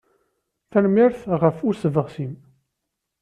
Tanemmirt ɣef usebɣes-im.